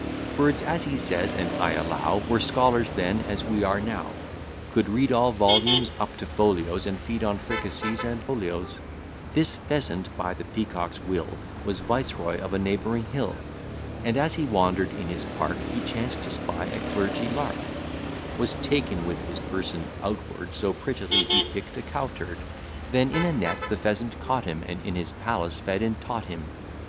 Birds, as he says, and I allow, Were scholars then, as we are now; Could read all volumes up to folios, And feed on fricassees and olios: This Pheasant, by the Peacock's will, Was viceroy of a neighbouring hill; And, as he wander'd in his park, He chanced to spy a clergy Lark; Was taken with his person outward, So prettily he pick'd a cow t d: Then in a net the Pheasant caught him, And in his palace fed and taught him.